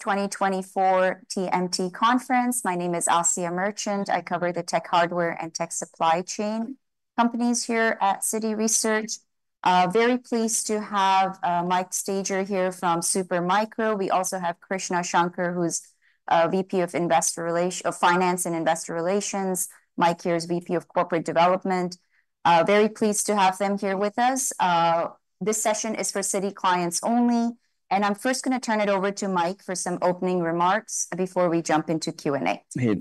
2024 TMT conference. My name is Asiya Merchant. I cover the tech hardware and tech supply chain companies here at Citi Research. Very pleased to have Mike Staiger here from Supermicro. We also have Krishna Shankar, who's VP of Finance and Investor Relations. Mike here is VP of Corporate Development. Very pleased to have them here with us. This session is for Citi clients only, and I'm first gonna turn it over to Mike for some opening remarks before we jump into Q&A. Hey,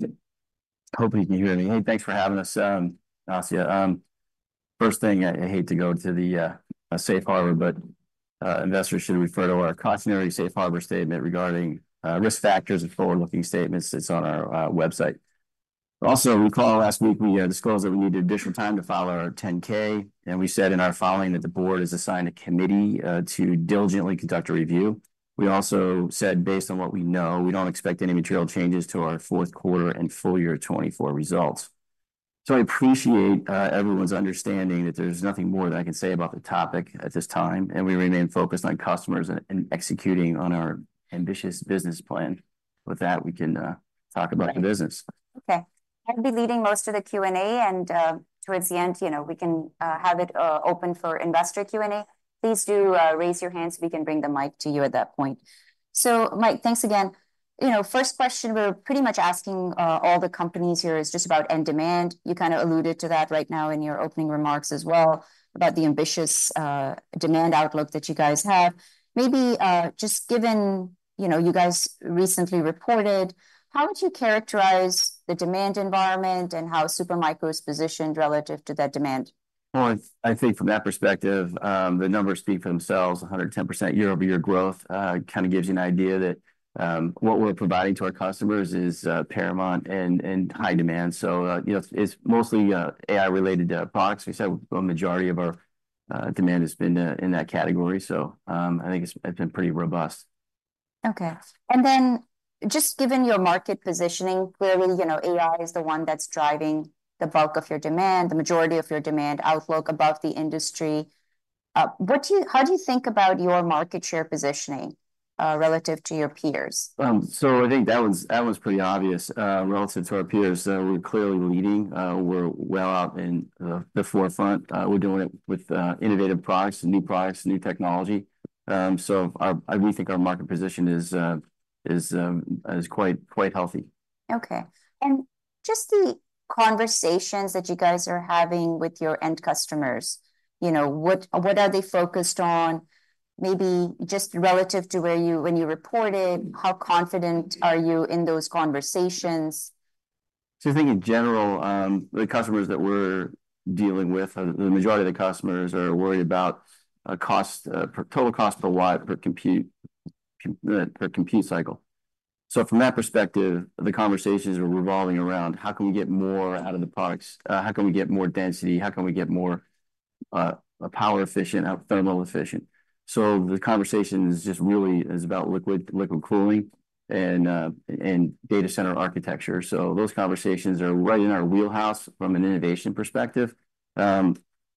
hoping you can hear me. Hey, thanks for having us, Asiya. First thing, I hate to go to the safe harbor, but investors should refer to our cautionary safe harbor statement regarding risk factors and forward-looking statements that's on our website. Also, you'll recall last week we disclosed that we needed additional time to file our 10-K, and we said in our filing that the board has assigned a committee to diligently conduct a review. We also said, based on what we know, we don't expect any material changes to our fourth quarter and full year 2024 results. So I appreciate everyone's understanding that there's nothing more that I can say about the topic at this time, and we remain focused on customers and executing on our ambitious business plan. With that, we can talk about the business. Okay. I'll be leading most of the Q&A, and, towards the end, you know, we can have it open for investor Q&A. Please do raise your hand so we can bring the mic to you at that point. So Mike, thanks again. You know, first question we're pretty much asking all the companies here is just about end demand. You kind of alluded to that right now in your opening remarks as well, about the ambitious demand outlook that you guys have. Maybe just given, you know, you guys recently reported, how would you characterize the demand environment and how Supermicro is positioned relative to that demand? I think from that perspective, the numbers speak for themselves, 110% year-over-year growth kind of gives you an idea that what we're providing to our customers is paramount and high demand. You know, it's mostly AI-related products. We said a majority of our demand has been in that category, so I think it's been pretty robust. Okay. And then just given your market positioning, clearly, you know, AI is the one that's driving the bulk of your demand, the majority of your demand outlook above the industry. How do you think about your market share positioning relative to your peers? So I think that one's pretty obvious. Relative to our peers, we're clearly leading. We're well out in the forefront. We're doing it with innovative products, new products, new technology. So we think our market position is quite healthy. Okay, and just the conversations that you guys are having with your end customers, you know, what are they focused on? Maybe just relative to where you, when you reported, how confident are you in those conversations? I think in general, the customers that we're dealing with, the majority of the customers are worried about total cost per watt per compute cycle. From that perspective, the conversations are revolving around: How can we get more out of the products? How can we get more density? How can we get more power efficient, thermal efficient? The conversation is just really about liquid cooling and data center architecture. Those conversations are right in our wheelhouse from an innovation perspective.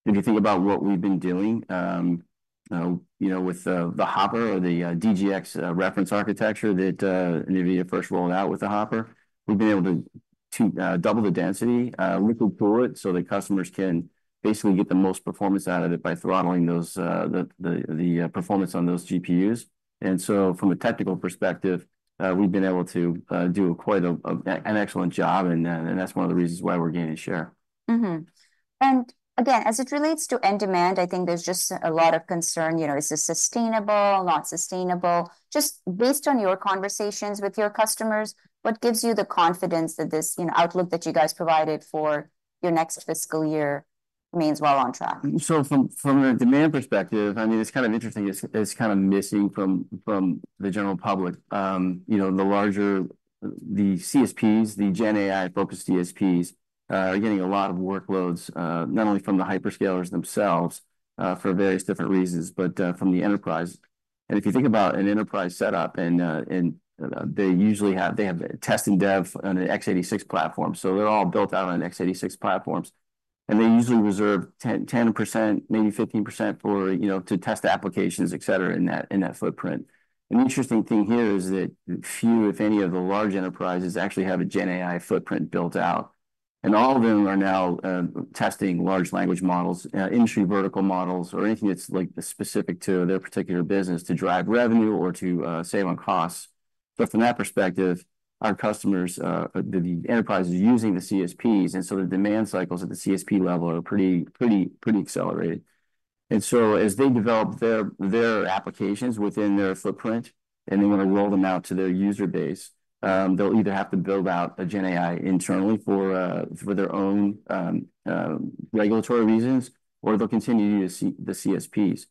If you think about what we've been doing, you know, with the Hopper or the DGX reference architecture that NVIDIA first rolled out with the Hopper, we've been able to double the density, liquid cool it, so the customers can basically get the most performance out of it by throttling those the performance on those GPUs. And so from a technical perspective, we've been able to do quite an excellent job, and that's one of the reasons why we're gaining share. And again, as it relates to end demand, I think there's just a lot of concern, you know, is this sustainable, not sustainable? Just based on your conversations with your customers, what gives you the confidence that this, you know, outlook that you guys provided for your next fiscal year remains well on track? So from a demand perspective, I mean, it's kind of interesting, it's kind of missing from the general public. You know, the larger CSPs, the GenAI-focused CSPs are getting a lot of workloads, not only from the hyperscalers themselves for various different reasons, but from the enterprise. And if you think about an enterprise setup and they usually have test and dev on an x86 platform, so they're all built out on x86 platforms. And they usually reserve 10%, maybe 15%, you know, to test applications, et cetera, in that footprint. An interesting thing here is that few, if any, of the large enterprises actually have a GenAI footprint built out, and all of them are now testing large language models, industry vertical models, or anything that's, like, specific to their particular business to drive revenue or to save on costs. But from that perspective, our customers, the enterprises are using the CSPs, and so the demand cycles at the CSP level are pretty accelerated. And so as they develop their applications within their footprint and they wanna roll them out to their user base, they'll either have to build out a GenAI internally for their own regulatory reasons, or they'll continue to use the CSPs.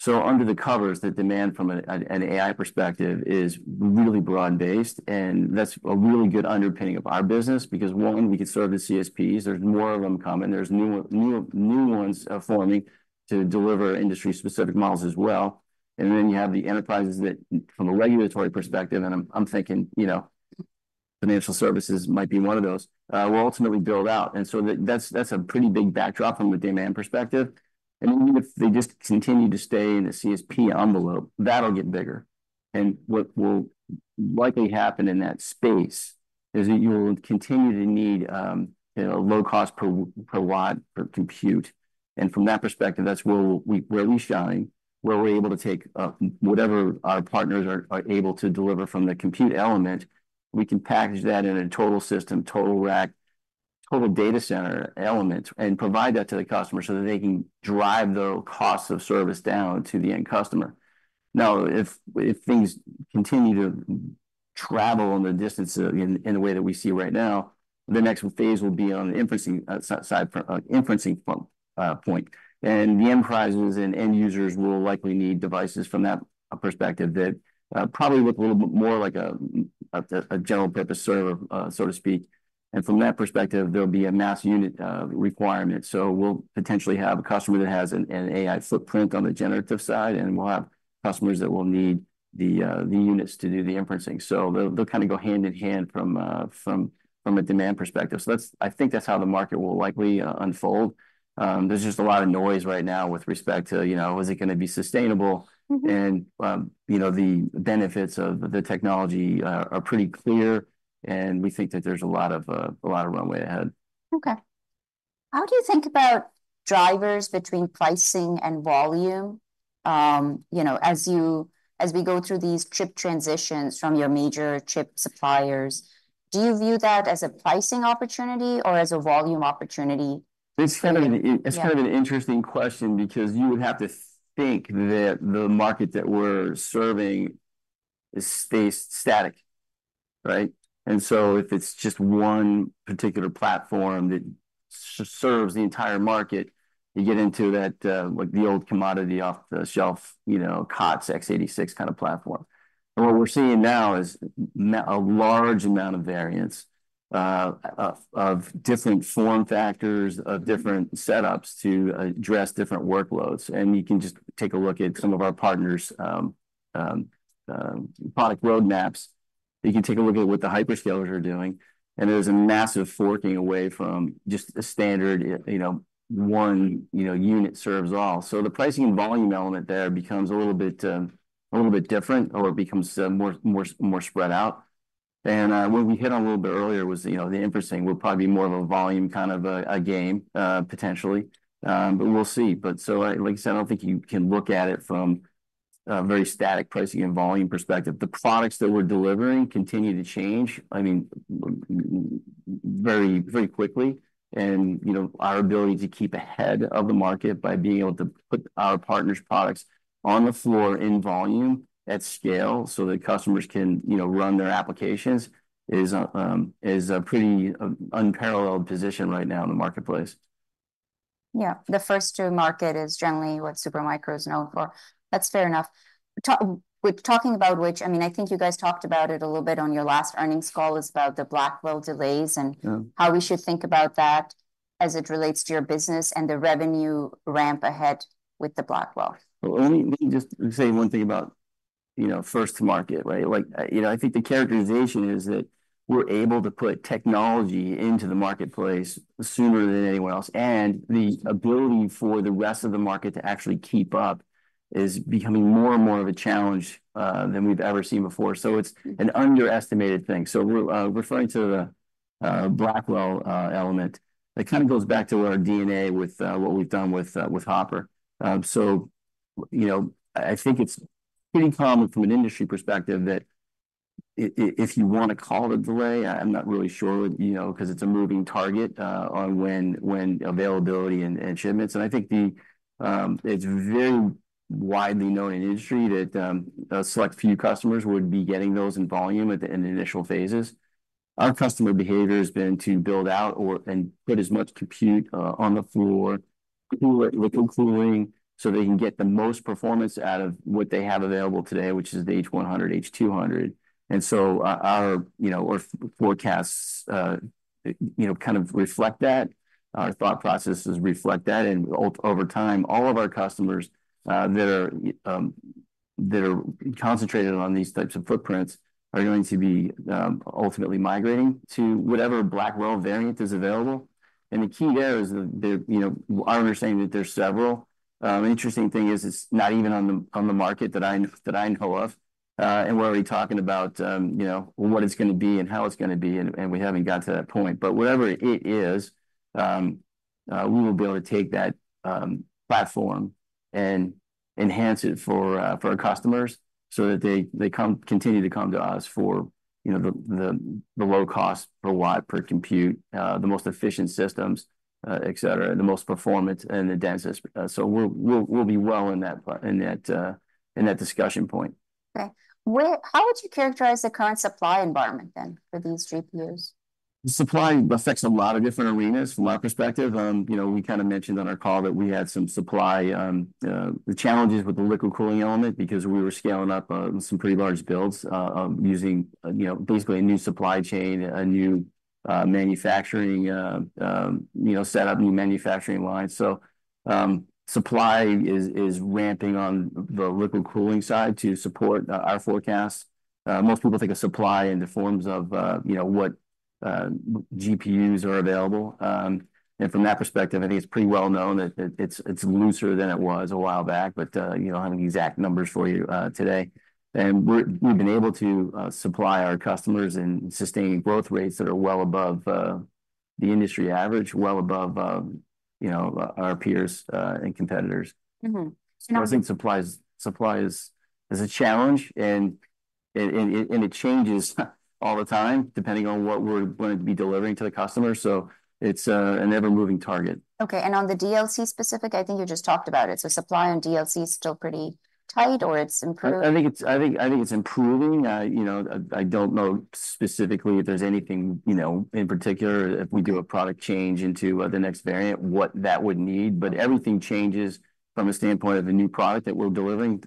So under the covers, the demand from an AI perspective is really broad-based, and that's a really good underpinning of our business because, one, we can serve the CSPs. There's more of them coming, there's new ones forming to deliver industry-specific models as well. And then you have the enterprises that, from a regulatory perspective, and I'm thinking, you know, financial services might be one of those, will ultimately build out. And so that's a pretty big backdrop from a demand perspective. And even if they just continue to stay in the CSP envelope, that'll get bigger. And what will likely happen in that space is that you'll continue to need, you know, low cost per watt per compute, and from that perspective, that's where we shine, where we're able to take whatever our partners are able to deliver from the compute element. We can package that in a total system, total rack, total data center elements, and provide that to the customer so that they can drive the cost of service down to the end customer. Now, if things continue to travel in the distance, in the way that we see right now, the next phase will be on the inferencing side, inferencing point. And the enterprises and end users will likely need devices from that perspective that probably look a little bit more like a general purpose server, so to speak. And from that perspective, there'll be a mass unit requirement. So we'll potentially have a customer that has an AI footprint on the generative side, and we'll have customers that will need the units to do the inferencing. So they'll kind of go hand in hand from a demand perspective. So that's... I think that's how the market will likely unfold. There's just a lot of noise right now with respect to, you know, is it gonna be sustainable? Mm-hmm. And, you know, the benefits of the technology are pretty clear, and we think that there's a lot of runway ahead. Okay. How do you think about drivers between pricing and volume? You know, as we go through these chip transitions from your major chip suppliers, do you view that as a pricing opportunity or as a volume opportunity? It's kind of an- Yeah... it's kind of an interesting question because you would have to think that the market that we're serving is stays static, right? And so if it's just one particular platform that serves the entire market, you get into that, like the old commodity off-the-shelf, you know, COTS x86 kind of platform. And what we're seeing now is a large amount of variance, of different form factors, of different setups to address different workloads. And you can just take a look at some of our partners', product roadmaps. You can take a look at what the hyperscalers are doing, and there's a massive forking away from just a standard, you know, one, you know, unit serves all. So the pricing and volume element there becomes a little bit, a little bit different, or it becomes more, more, more spread out. And what we hit on a little bit earlier was, you know, the inference will probably be more of a volume, kind of a game, potentially. But we'll see. But so, like, like I said, I don't think you can look at it from a very static pricing and volume perspective. The products that we're delivering continue to change, I mean, very, very quickly. And, you know, our ability to keep ahead of the market by being able to put our partners' products on the floor in volume at scale so that customers can, you know, run their applications, is a pretty unparalleled position right now in the marketplace. Yeah, the first to market is generally what Supermicro is known for. That's fair enough. With talking about which, I mean, I think you guys talked about it a little bit on your last earnings call, is about the Blackwell delays and- Yeah... how we should think about that as it relates to your business and the revenue ramp ahead with the Blackwell? Well, let me just say one thing about, you know, first to market, right? Like, I think the characterization is that we're able to put technology into the marketplace sooner than anyone else, and the ability for the rest of the market to actually keep up is becoming more and more of a challenge than we've ever seen before. So it's an underestimated thing. So we're referring to the Blackwell element, that kind of goes back to our DNA with what we've done with Hopper. So, you know, I think it's pretty common from an industry perspective that if you want to call it a delay, I'm not really sure, you know, because it's a moving target on when availability and shipments. And I think the... It's very widely known in the industry that a select few customers would be getting those in volume at the, in the initial phases. Our customer behavior has been to build out or, and put as much compute on the floor, do it with cooling, so they can get the most performance out of what they have available today, which is the H100, H200. And so, our you know, our forecasts you know, kind of reflect that. Our thought processes reflect that, and over time, all of our customers that are concentrated on these types of footprints are going to be ultimately migrating to whatever Blackwell variant is available. And the key there is that you know, our understanding that there's several. Interesting thing is it's not even on the market that I know of, and we're already talking about, you know, what it's gonna be and how it's gonna be, and we haven't got to that point. But whatever it is, we will be able to take that platform and enhance it for our customers so that they continue to come to us for, you know, the low cost per watt, per compute, the most efficient systems, et cetera, the most performance, and the densest. So we'll be well in that discussion point. Okay. How would you characterize the current supply environment then for these GPUs? The supply affects a lot of different arenas from our perspective. You know, we kind of mentioned on our call that we had some supply challenges with the liquid cooling element because we were scaling up some pretty large builds using, you know, basically a new supply chain, a new manufacturing setup, new manufacturing line, so supply is ramping on the liquid cooling side to support our forecast. Most people think of supply in the forms of, you know, what GPUs are available, and from that perspective, I think it's pretty well known that it's looser than it was a while back, but, you know, I don't have any exact numbers for you today. And we've been able to supply our customers and sustain growth rates that are well above the industry average, well above, you know, our peers and competitors. Mm-hmm. Now- So I think supply is a challenge, and it changes all the time, depending on what we're going to be delivering to the customer, so it's an ever-moving target. Okay, and on the DLC specific, I think you just talked about it. So supply on DLC is still pretty tight, or it's improved? I think it's improving. You know, I don't know specifically if there's anything, you know, in particular, if we do a product change into the next variant, what that would need. But everything changes from a standpoint of a new product that we're delivering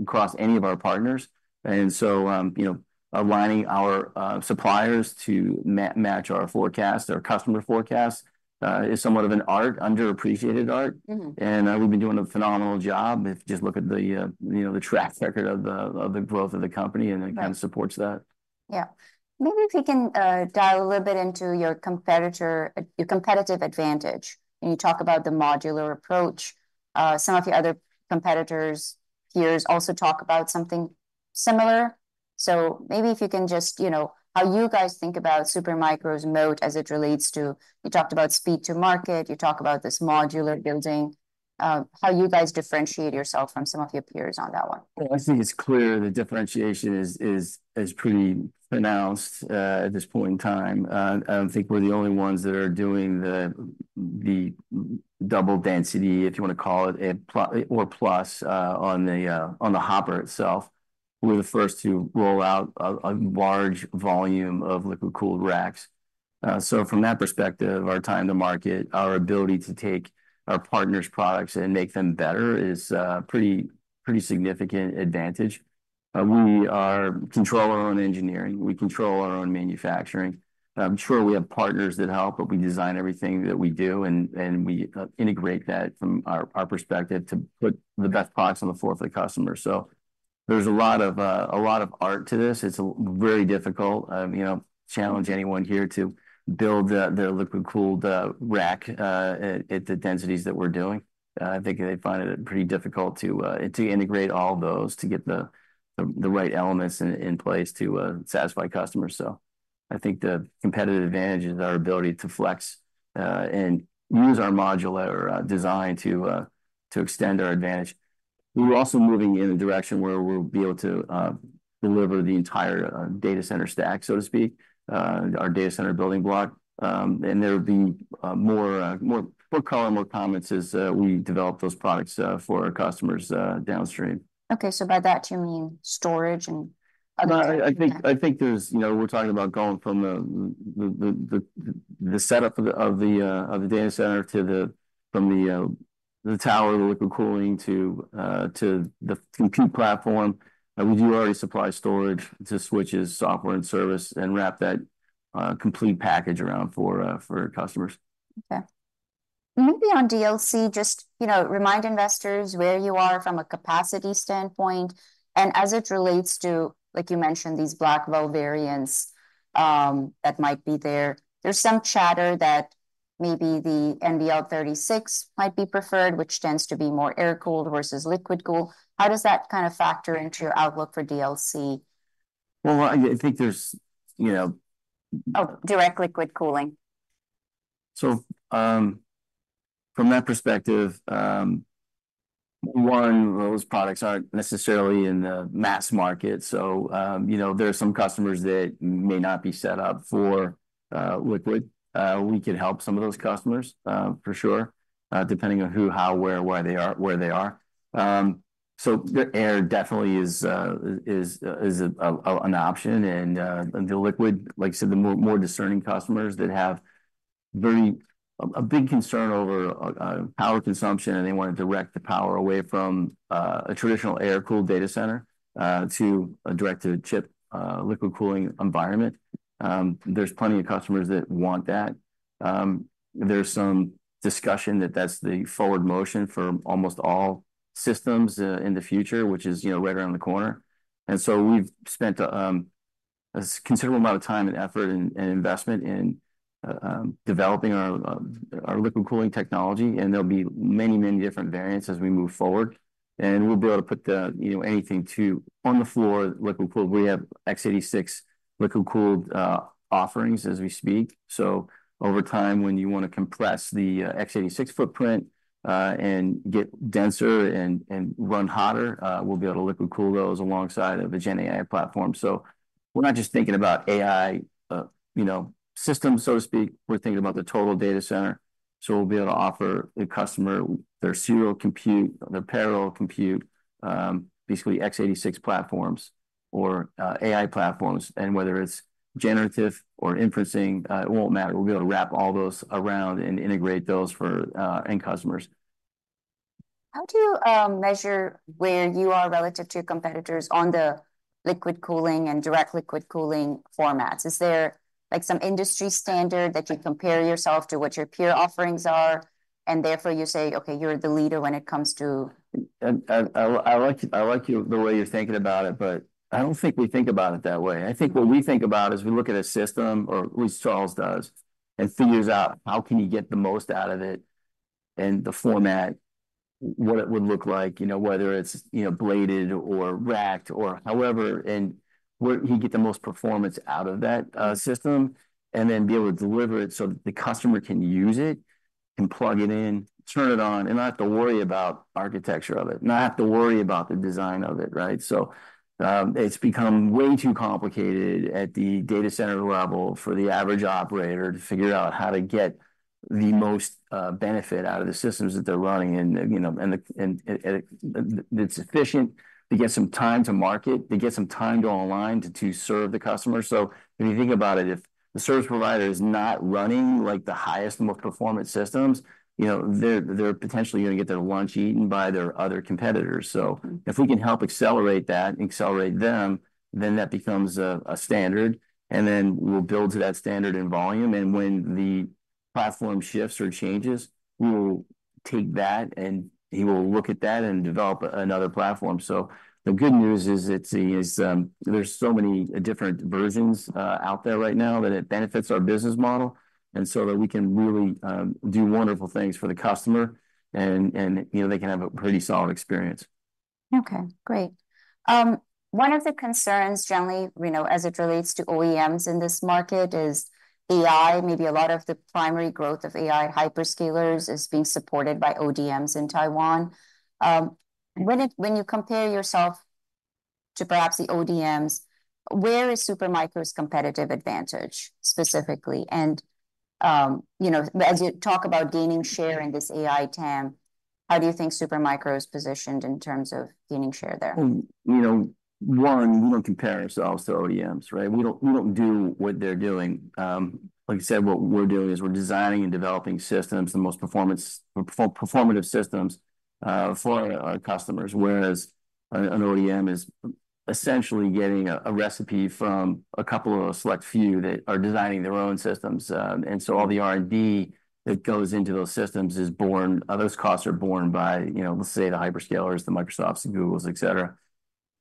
across any of our partners. And so, you know, aligning our suppliers to match our forecast or customer forecast is somewhat of an art, underappreciated art. Mm-hmm. We've been doing a phenomenal job. If you just look at the, you know, the track record of the growth of the company, and it- Right... kind of supports that. Yeah. Maybe if you can dive a little bit into your competitor- your competitive advantage, and you talk about the modular approach. Some of your other competitors, peers also talk about something similar. So maybe if you can just, you know, how you guys think about Supermicro's moat as it relates to... You talked about speed to market, you talk about this modular building, how you guys differentiate yourself from some of your peers on that one? I think it's clear the differentiation is pretty pronounced at this point in time. I don't think we're the only ones that are doing the double density, if you wanna call it, or plus on the Hopper itself. We're the first to roll out a large volume of liquid-cooled racks. So from that perspective, our time to market, our ability to take our partners' products and make them better is pretty significant advantage. We control our own engineering. We control our own manufacturing. I'm sure we have partners that help, but we design everything that we do, and we integrate that from our perspective to put the best products on the floor for the customer. There's a lot of art to this. It's very difficult, you know, challenge anyone here to build the liquid-cooled rack at the densities that we're doing. I think they'd find it pretty difficult to integrate all those, to get the right elements in place to satisfy customers. So I think the competitive advantage is our ability to flex and use our modular design to extend our advantage. We're also moving in a direction where we'll be able to deliver the entire data center stack, so to speak, our data center building block. And there'll be more color, more comments as we develop those products for our customers downstream. Okay, so by that you mean storage and other- I think there's, you know, we're talking about going from the setup of the data center to from the tower liquid cooling to the compute platform. We do already supply storage to switches, software, and service, and wrap that complete package around for customers. Okay. Maybe on DLC, just, you know, remind investors where you are from a capacity standpoint, and as it relates to, like you mentioned, these Blackwell variants, that might be there. There's some chatter that maybe the NVL36 might be preferred, which tends to be more air-cooled versus liquid-cooled. How does that kind of factor into your outlook for DLC? I think there's, you know- Oh, direct liquid cooling. From that perspective, one, those products aren't necessarily in the mass market. You know, there are some customers that may not be set up for liquid. We could help some of those customers, for sure, depending on who, how, where, why they are. So the air definitely is an option, and the liquid, like you said, the more discerning customers that have a big concern over power consumption, and they want to direct the power away from a traditional air-cooled data center to a direct-to-chip liquid cooling environment. There's plenty of customers that want that. There's some discussion that that's the forward motion for almost all systems in the future, which is, you know, right around the corner. And so we've spent a considerable amount of time and effort and investment in developing our liquid cooling technology, and there'll be many, many different variants as we move forward. We'll be able to put the, you know, anything on the floor, liquid-cooled. We have x86 liquid-cooled offerings as we speak. So over time, when you wanna compress the x86 footprint and get denser and run hotter, we'll be able to liquid-cool those alongside of a GenAI platform. So we're not just thinking about AI, you know, systems, so to speak, we're thinking about the total data center. So we'll be able to offer the customer their serial compute, their parallel compute, basically x86 platforms or AI platforms. And whether it's generative or inferencing, it won't matter. We'll be able to wrap all those around and integrate those for end customers.... How do you measure where you are relative to your competitors on the liquid cooling and direct liquid cooling formats? Is there, like, some industry standard that you compare yourself to what your peer offerings are, and therefore you say, okay, you're the leader when it comes to- I like the way you're thinking about it, but I don't think we think about it that way. I think what we think about is we look at a system, or at least Charles does, and figures out how can he get the most out of it, and the format, what it would look like, you know, whether it's, you know, bladed or racked or however, and where he'd get the most performance out of that system, and then be able to deliver it so that the customer can use it, and plug it in, turn it on, and not have to worry about architecture of it, not have to worry about the design of it, right? So it's become way too complicated at the data center level for the average operator to figure out how to get the most benefit out of the systems that they're running. And you know it's efficient to get some time to market, to get some time to online to serve the customer. So if you think about it, if the service provider is not running like the highest most performant systems you know they're potentially gonna get their lunch eaten by their other competitors. So if we can help accelerate that and accelerate them then that becomes a standard and then we'll build to that standard in volume and when the platform shifts or changes we will take that and he will look at that and develop another platform. So the good news is it's is, there's so many different versions out there right now that it benefits our business model, and so that we can really do wonderful things for the customer and, you know, they can have a pretty solid experience. Okay, great. One of the concerns generally, you know, as it relates to OEMs in this market is AI. Maybe a lot of the primary growth of AI hyperscalers is being supported by ODMs in Taiwan. When you compare yourself to perhaps the ODMs, where Supermicro's competitive advantage specifically? And, you know, as you talk about gaining share in this AI TAM, how do you Supermicro is positioned in terms of gaining share there? You know, one, we don't compare ourselves to ODMs, right? We don't, we don't do what they're doing. Like I said, what we're doing is we're designing and developing systems, the most performative systems, for our customers, whereas an OEM is essentially getting a recipe from a couple of select few that are designing their own systems. And so all the R&D that goes into those systems is borne by, you know, let's say, the hyperscalers, the Microsofts, the Googles, et cetera.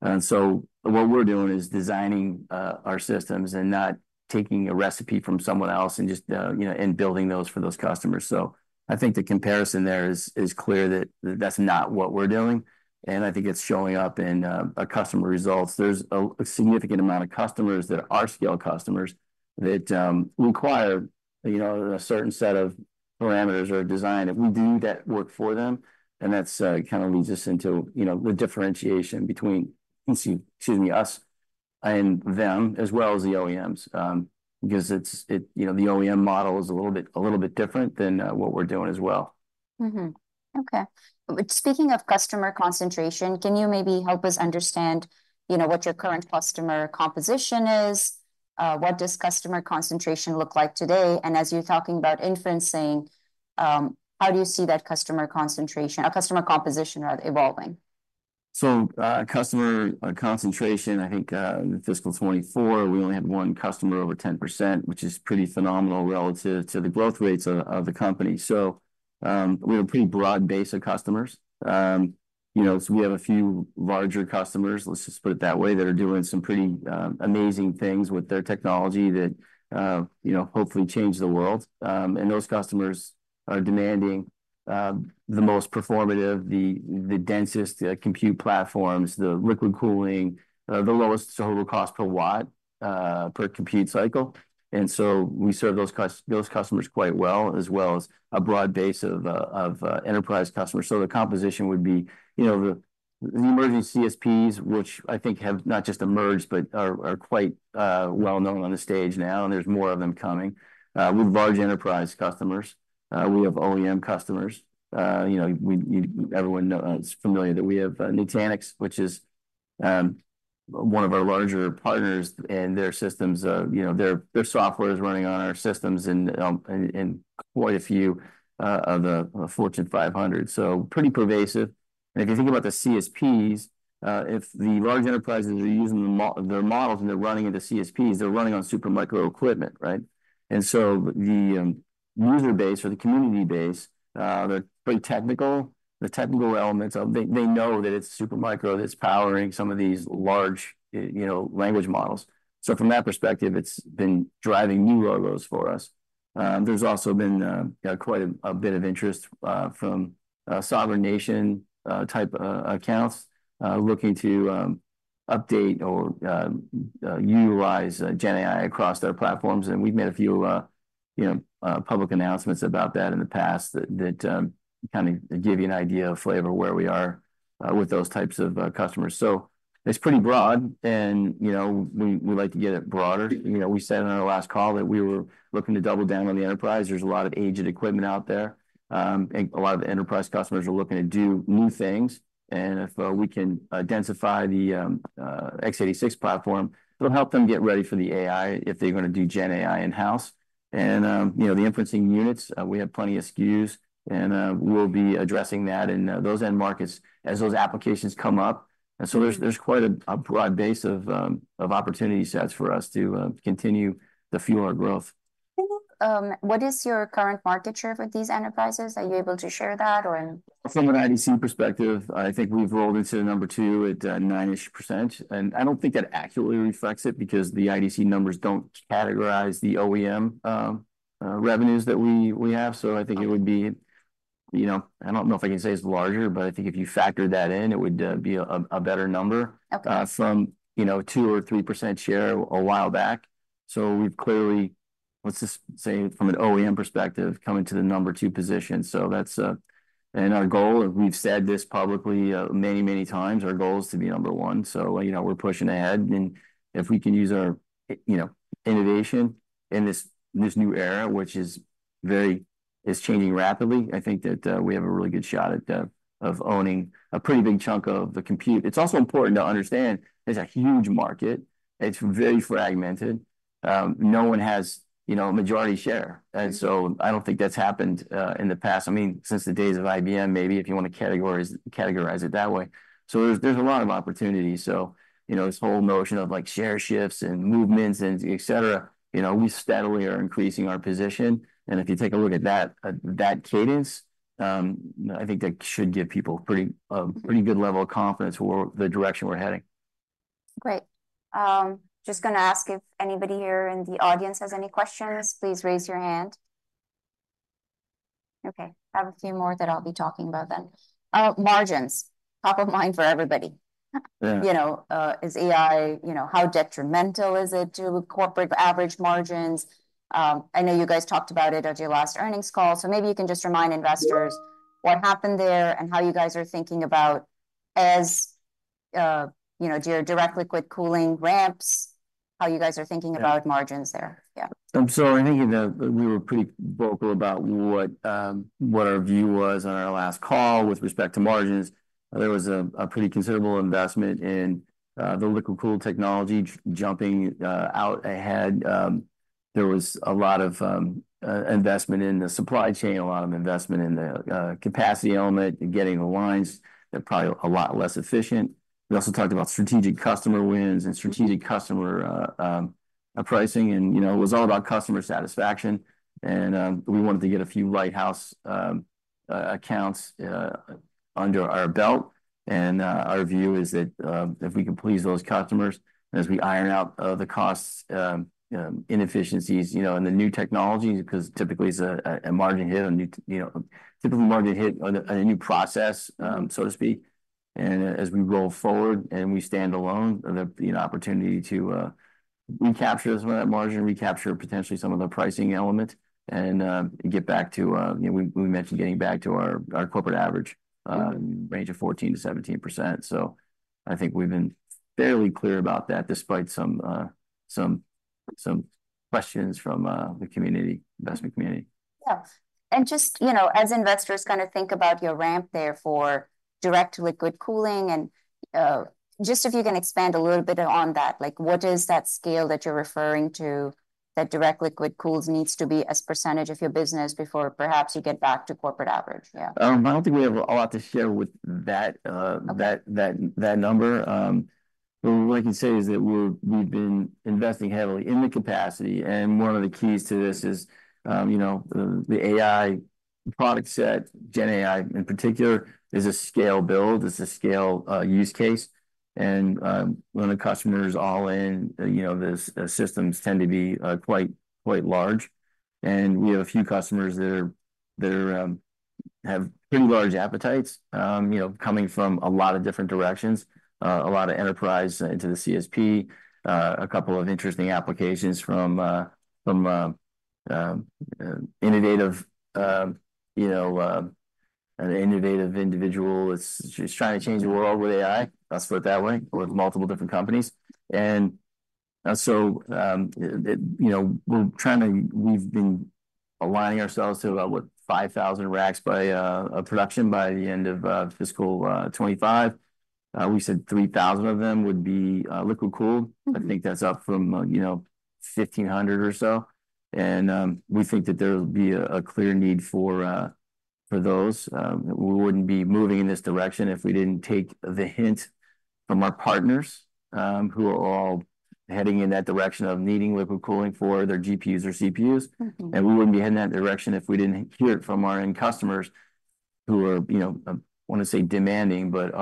And so what we're doing is designing our systems and not taking a recipe from someone else and just, you know, and building those for those customers. So I think the comparison there is clear that that's not what we're doing, and I think it's showing up in our customer results. There's a significant amount of customers that are scale customers that require, you know, a certain set of parameters or design, and we do that work for them, and that's kind of leads us into, you know, the differentiation between, excuse me, us and them, as well as the OEMs. Because it's. You know, the OEM model is a little bit different than what we're doing as well. Mm-hmm. Okay. Speaking of customer concentration, can you maybe help us understand, you know, what your current customer composition is? What does customer concentration look like today? And as you're talking about inferencing, how do you see that customer concentration - customer composition, rather, evolving? So, customer concentration, I think, in fiscal 2024, we only had one customer over 10%, which is pretty phenomenal relative to the growth rates of the company. So, we have a pretty broad base of customers. You know, so we have a few larger customers, let's just put it that way, that are doing some pretty amazing things with their technology that, you know, hopefully change the world. And those customers are demanding the most performative, the densest compute platforms, the liquid cooling, the lowest total cost per watt, per compute cycle. And so we serve those customers quite well, as well as a broad base of enterprise customers. The composition would be, you know, the emerging CSPs, which I think have not just emerged, but are quite well-known on the stage now, and there's more of them coming. We have large enterprise customers. We have OEM customers. You know, everyone is familiar that we have Nutanix, which is one of our larger partners, and their systems, you know, their software is running on our systems and quite a few of the Fortune 500. So pretty pervasive. And if you think about the CSPs, if the large enterprises are using their models and they're running into CSPs, they're running Supermicro equipment, right? And so the user base or the community base, they're pretty technical. The technical elements, they know that Supermicro that's powering some of these large, you know, language models. So from that perspective, it's been driving new logos for us. There's also been quite a bit of interest from sovereign nation type accounts looking to update or GenAI across their platforms, and we've made a few, you know, public announcements about that in the past that kind of give you an idea of flavor where we are with those types of customers. So it's pretty broad, and, you know, we, we'd like to get it broader. You know, we said on our last call that we were looking to double down on the enterprise. There's a lot of aged equipment out there. And a lot of the enterprise customers are looking to do new things, and if we can densify the x86 platform, it'll help them get ready for the AI if they're gonna GenAI in-house. And you know, the inferencing units, we have plenty of SKUs, and we'll be addressing that in those end markets as those applications come up. And so there's quite a broad base of opportunity sets for us to continue to fuel our growth. What is your current market share for these enterprises? Are you able to share that, or, From an IDC perspective, I think we've rolled into number two at nine-ish%, and I don't think that accurately reflects it, because the IDC numbers don't categorize the OEM revenues that we have. So I think it would be, you know, I don't know if I can say it's larger, but I think if you factored that in, it would be a better number- Okay... from, you know, 2% or 3% share a while back. So we've clearly, let's just say from an OEM perspective, come into the number two position, so that's. And our goal, and we've said this publicly, many, many times, our goal is to be number one. So, you know, we're pushing ahead, and if we can use our, you know, innovation in this, this new era, which is very it's changing rapidly, I think that we have a really good shot at of owning a pretty big chunk of the compute. It's also important to understand there's a huge market. It's very fragmented. No one has, you know, majority share, and so I don't think that's happened in the past, I mean, since the days of IBM, maybe, if you wanna categorize it that way. There's a lot of opportunity. You know, this whole notion of, like, share shifts and movements, and et cetera. You know, we steadily are increasing our position, and if you take a look at that cadence, I think that should give people a pretty good level of confidence for the direction we're heading. Great. Just gonna ask if anybody here in the audience has any questions, please raise your hand. Okay, I have a few more that I'll be talking about then. Margins, top of mind for everybody. Yeah. You know, is AI... You know, how detrimental is it to corporate average margins? I know you guys talked about it at your last earnings call, so maybe you can just remind investors what happened there, and how you guys are thinking about as, you know, do your direct liquid cooling ramps, how you guys are thinking- Yeah... about margins there? Yeah. So I think that we were pretty vocal about what our view was on our last call with respect to margins. There was a pretty considerable investment in the liquid cool technology jumping out ahead. There was a lot of investment in the supply chain, a lot of investment in the capacity element and getting the lines. They are probably a lot less efficient. We also talked about strategic customer wins and strategic customer pricing, and, you know, it was all about customer satisfaction. We wanted to get a few lighthouse accounts under our belt. Our view is that if we can please those customers, as we iron out the costs, inefficiencies, you know, and the new technology, because typically it's a margin hit, you know, typically a margin hit on a new process, so to speak. As we roll forward and we stand alone, you know, the opportunity to recapture some of that margin, recapture potentially some of the pricing element and get back to... You know, we mentioned getting back to our corporate average range of 14%-17%. So I think we've been fairly clear about that, despite some questions from the investment community. Yeah. And just, you know, as investors kinda think about your ramp there for direct liquid cooling, and just if you can expand a little bit on that, like, what is that scale that you're referring to, that direct liquid cooling needs to be as percentage of your business before perhaps you get back to corporate average? Yeah. I don't think we have a lot to share with that. Okay... that number. What I can say is that we've been investing heavily in the capacity, and one of the keys to this is, you know, the AI product GenAI in particular, is a scale build. It's a scale use case. And when a customer's all in, you know, the systems tend to be quite large. And we have a few customers that have pretty large appetites, you know, coming from a lot of different directions, a lot of enterprise into the CSP, a couple of interesting applications from an innovative individual is just trying to change the world with AI, let's put it that way, with multiple different companies. You know, we've been aligning ourselves to about 5,000 racks of production by the end of fiscal 2025. We said 3,000 of them would be liquid cooled. Mm-hmm. I think that's up from, you know, 1,500 or so. And we think that there would be a clear need for those. We wouldn't be moving in this direction if we didn't take the hint from our partners, who are all heading in that direction of needing liquid cooling for their GPUs or CPUs. Mm-hmm. And we wouldn't be heading that direction if we didn't hear it from our end customers, who are, you know, I wanna say demanding, but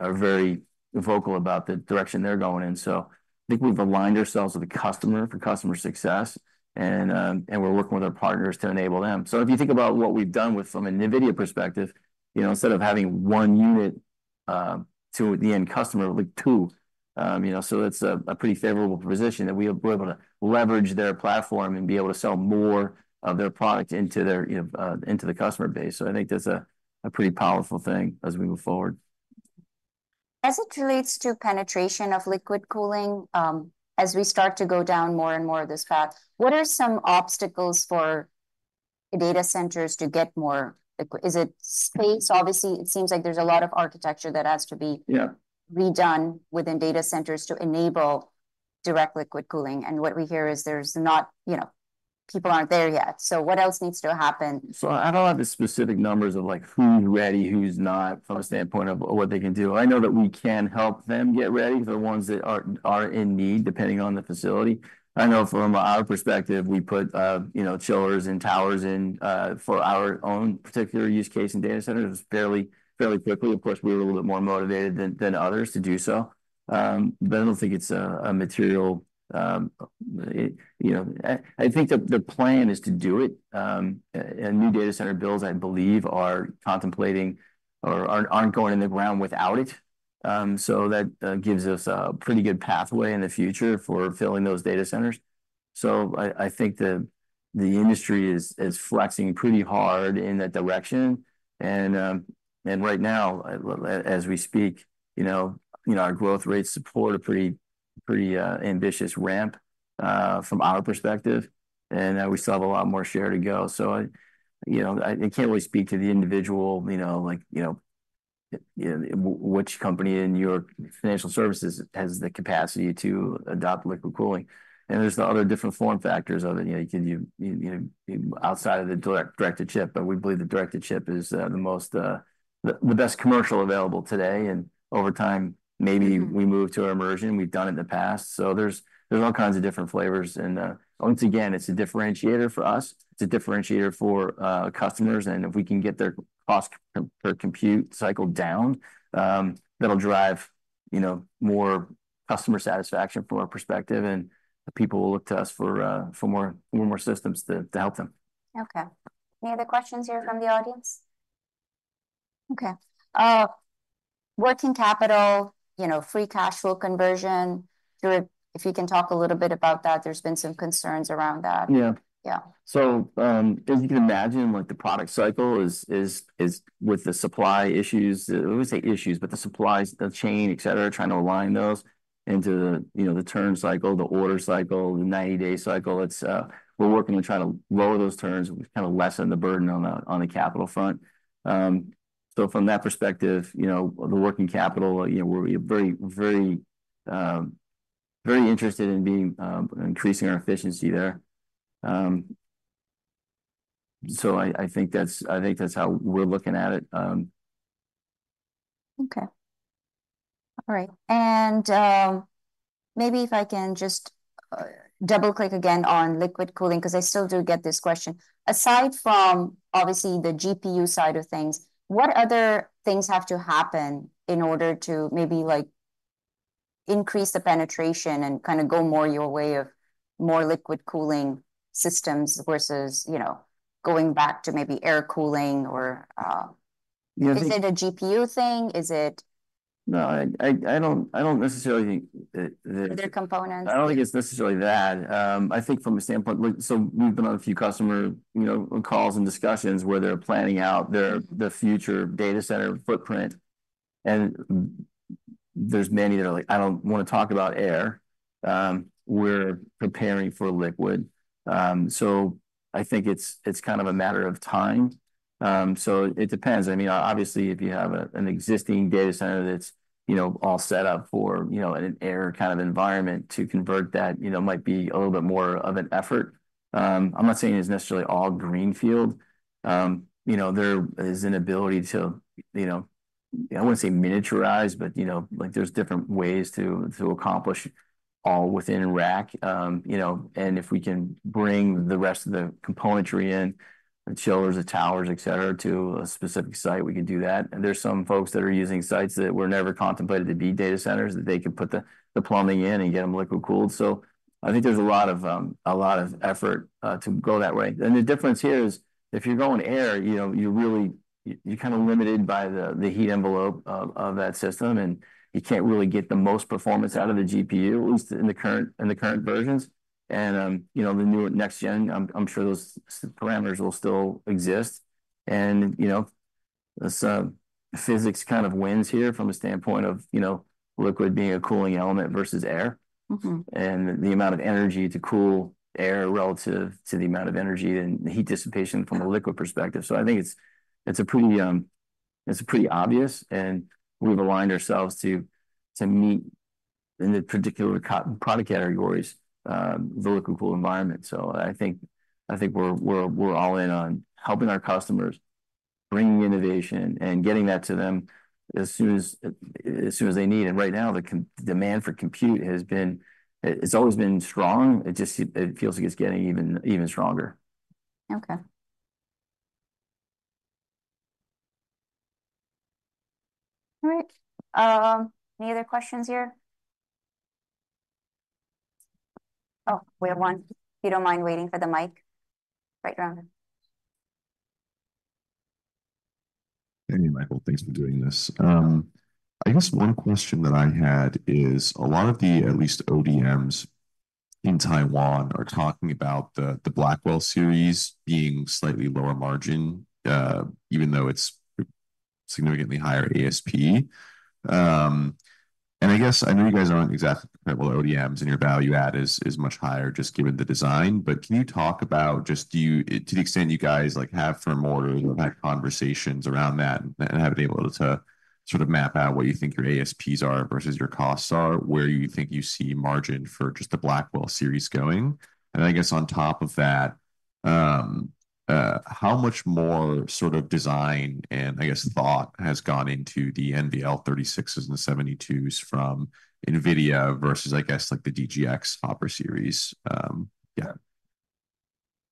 are very vocal about the direction they're going in. So I think we've aligned ourselves with the customer for customer success, and we're working with our partners to enable them. So if you think about what we've done with, from a NVIDIA perspective, you know, instead of having one unit to the end customer, like two, you know, so that's a pretty favorable position that we are able to leverage their platform and be able to sell more of their product into their, you know, into the customer base. So I think that's a pretty powerful thing as we move forward. As it relates to penetration of liquid cooling, as we start to go down more and more of this path, what are some obstacles for data centers to get more liquid cooling? Is it space? Obviously, it seems like there's a lot of architecture that has to be- Yeah... redone within data centers to enable direct liquid cooling, and what we hear is there's not, you know, people aren't there yet. So what else needs to happen? So I don't have the specific numbers of, like, who's ready, who's not, from a standpoint of what they can do. I know that we can help them get ready, the ones that are in need, depending on the facility. I know from our perspective, we put you know, chillers and towers in for our own particular use case in data centers fairly, fairly quickly. Of course, we were a little bit more motivated than others to do so. But I don't think it's a material you know. I think the plan is to do it. And new data center builds, I believe, are contemplating or aren't going in the ground without it. So that gives us a pretty good pathway in the future for filling those data centers. So I think the industry is flexing pretty hard in that direction, and right now, as we speak, you know, our growth rates support a pretty ambitious ramp from our perspective, and we still have a lot more share to go. So you know, I can't really speak to the individual, you know, like which company in your financial services has the capacity to adopt liquid cooling. And there's the other different form factors of it, you know, outside of the direct-to-chip, but we believe the direct-to-chip is the best commercial available today, and over time, maybe we move to immersion. We've done it in the past. So there's all kinds of different flavors. Once again, it's a differentiator for us. It's a differentiator for customers, and if we can get their cost per compute cycle down, that'll drive, you know, more customer satisfaction from our perspective, and the people will look to us for more systems to help them. Okay. Any other questions here from the audience? Okay. Working capital, you know, free cash flow conversion, if you can talk a little bit about that. There's been some concerns around that. Yeah. Yeah. So, as you can imagine, what the product cycle is with the supply issues, but the supply chain, et cetera, trying to align those into, you know, the turn cycle, the order cycle, the 90-day cycle, it's. We're working to try to lower those turns and kind of lessen the burden on the capital front. From that perspective, you know, the working capital, you know, we're very interested in increasing our efficiency there. I think that's how we're looking at it. Okay. All right, and maybe if I can just double-click again on liquid cooling, 'cause I still do get this question: aside from obviously the GPU side of things, what other things have to happen in order to maybe, like, increase the penetration and kind of go more your way of more liquid cooling systems versus, you know, going back to maybe air cooling or- Yeah, the- Is it a GPU thing? Is it- No, I don't necessarily think that. Other components. I don't think it's necessarily that. I think from a standpoint, like, so we've been on a few customer, you know, calls and discussions where they're planning out their, the future data center footprint, and there's many that are like, "I don't wanna talk about air. We're preparing for liquid." So I think it's, it's kind of a matter of time. So it depends. I mean, obviously, if you have a, an existing data center that's, you know, all set up for, you know, an air kind of environment, to convert that, you know, might be a little bit more of an effort. I'm not saying it's necessarily all greenfield. You know, there is an ability to, you know, I wouldn't say miniaturize, but, you know, like, there's different ways to, to accomplish all within rack. You know, and if we can bring the rest of the componentry in, the chillers, the towers, et cetera, to a specific site, we can do that. And there's some folks that are using sites that were never contemplated to be data centers, that they could put the plumbing in and get them liquid-cooled. So I think there's a lot of effort to go that way. And the difference here is, if you're going air, you know, you really, you're kind of limited by the heat envelope of that system, and you can't really get the most performance out of the GPU, at least in the current versions. And, you know, the new next gen, I'm sure those parameters will still exist. You know, so physics kind of wins here from a standpoint of, you know, liquid being a cooling element versus air. Mm-hmm. And the amount of energy to cool air relative to the amount of energy and the heat dissipation from a liquid perspective. So I think it's a pretty obvious, and we've aligned ourselves to meet in the particular core product categories, the liquid-cooled environment. So I think we're all in on helping our customers, bringing innovation and getting that to them as soon as they need it. Right now, the demand for compute has been... It's always been strong. It just feels like it's getting even stronger. Okay. All right, any other questions here? Oh, we have one. If you don't mind waiting for the mic. Right around there. Hey, Michael, thanks for doing this. I guess one question that I had is, a lot of the, at least, ODMs in Taiwan are talking about the Blackwell series being slightly lower margin, even though it's significantly higher ASP. And I guess I know you guys aren't exactly, well, ODMs, and your value add is much higher just given the design. But can you talk about just, do you, to the extent you guys, like, have furthermore had conversations around that and have been able to sort of map out what you think your ASPs are versus your costs are, where you think you see margin for just the Blackwell series going? I guess on top of that, how much more sort of design and I guess thought has gone into the NVL36s and the NVL72s from NVIDIA versus, I guess, like the DGX, Hopper series?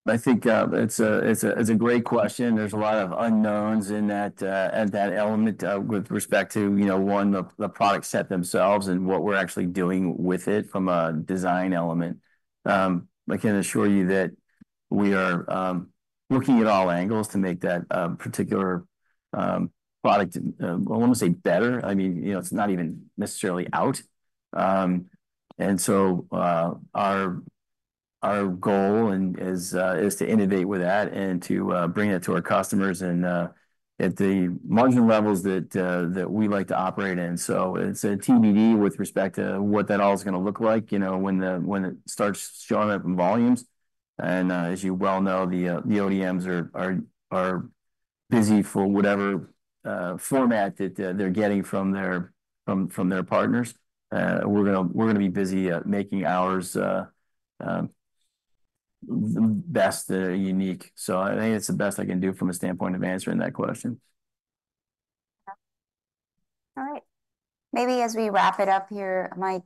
I think, it's a great question. There's a lot of unknowns in that element, with respect to, you know, the product set themselves and what we're actually doing with it from a design element. I can assure you that we are looking at all angles to make that particular product, I don't want to say better, I mean, you know, it's not even necessarily out. And so, our goal is to innovate with that, and to bring it to our customers and at the margin levels that we like to operate in. So it's a TBD with respect to what that all is gonna look like, you know, when it starts showing up in volumes. As you well know, the ODMs are busy for whatever format that they're getting from their partners. We're gonna be busy making ours the best unique. So I think it's the best I can do from a standpoint of answering that question. All right. Maybe as we wrap it up here, Mike,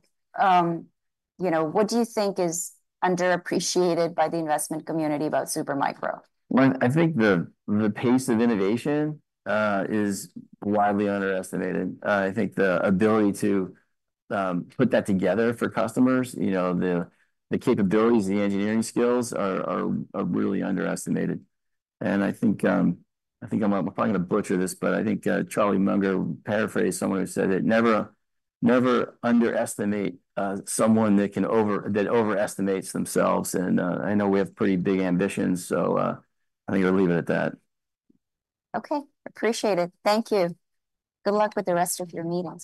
you know, what do you think is underappreciated by the investment community about Supermicro? Well, I think the pace of innovation is widely underestimated. I think the ability to put that together for customers, you know, the capabilities, the engineering skills are really underestimated. And I think I'm probably gonna butcher this, but I think Charlie Munger paraphrased someone who said it, "Never, never underestimate someone that overestimates themselves." And I know we have pretty big ambitions, so I think I'll leave it at that. Okay, appreciate it. Thank you. Good luck with the rest of your meeting.